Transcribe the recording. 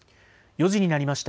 ４時になりました。